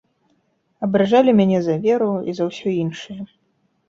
Абражалі мяне за веру і за ўсё іншае.